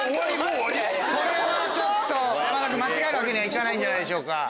⁉山田君間違えるわけにはいかないんじゃないでしょうか。